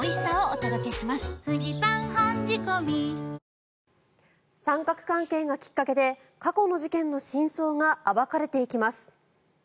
明治おいしい牛乳三角関係がきっかけで過去の事件の真相が暴かれていきます。